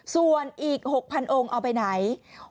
ส่วนอีก๖๐๐องค์เอาไปไหน